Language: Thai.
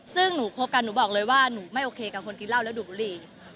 ซึ่งหนูคบกันหนูบอกเลยว่าหนูไม่โอเคกับคนกินเหล้าแล้วดูดบุหรี่